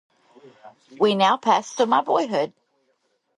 We now pass to my boyhood.